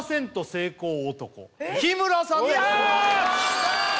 成功男日村さんですよっしゃ！